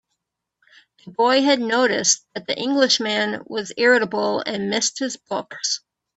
The boy had noticed that the Englishman was irritable, and missed his books.